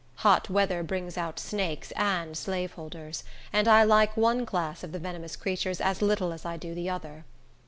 Hot weather brings out snakes and slaveholders, and I like one class of the venomous creatures as little as I do the other.